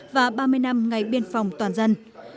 và ba mươi năm ngày biên phòng toàn dân